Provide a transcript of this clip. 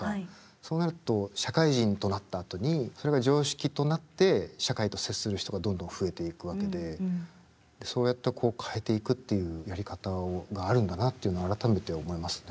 そうなると社会人となったあとにそれが常識となって社会と接する人がどんどん増えていくわけでそうやってこう変えていくっていうやり方があるんだなっていうのは改めて思いますね。